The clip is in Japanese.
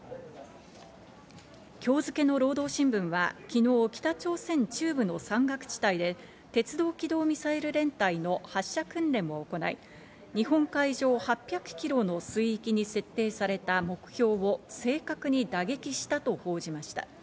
今日付の労働新聞は昨日、北朝鮮中部の山岳地帯で鉄道機動ミサイル連隊の発射訓練を行い、日本海上８００ｋｍの水域に設定された目標を正確に打撃したと報じました。